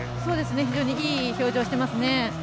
非常にいい表情してますね。